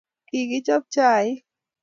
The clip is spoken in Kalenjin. kokichop chaik